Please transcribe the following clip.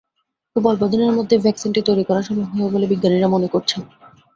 খুব অল্পদিনের মধ্যেই ভ্যাকসিনটি তৈরি করা সম্ভব হবে বলে বিজ্ঞানীরা মনে করছেন।